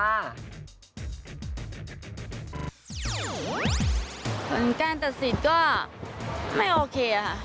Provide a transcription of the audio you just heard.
รวมกันตัดสินก็ไม่โอเคค่ะ